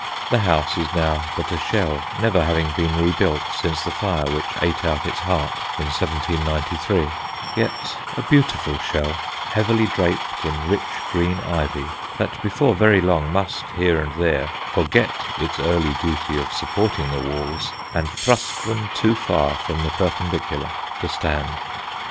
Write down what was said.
The house is now but a shell, never having been rebuilt since the fire which ate out its heart in 1793: yet a beautiful shell, heavily draped in rich green ivy that before very long must here and there forget its earlier duty of supporting the walls and thrust them too far from the perpendicular to stand.